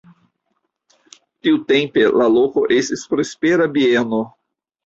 Tiutempe la loko estis prospera bieno.